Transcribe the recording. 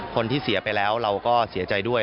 คนที่เสียไปแล้วเราก็เสียใจด้วย